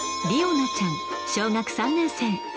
莉央奈ちゃん小学３年生。